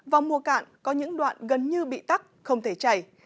vào mùa cạn có những đoạn gần như bị tắt không thể chảy